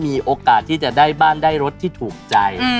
มีโอกาสที่จะได้บ้านได้รถที่ถูกใจ